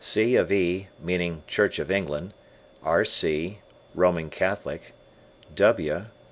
C. of E., meaning Church of England; R. C., Roman Catholic; W.